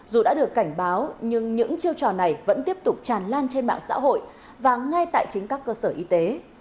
dù đã được cảnh báo nhưng những chiêu trò này vẫn tiếp tục tràn lan trên mạng xã hội và ngay tại chính các cơ sở y tế